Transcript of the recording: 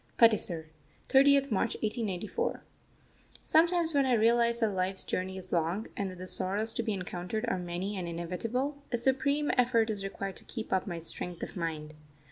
PATISAR, 30th March 1894. Sometimes when I realise that Life's journey is long, and that the sorrows to be encountered are many and inevitable, a supreme effort is required to keep up my strength of mind.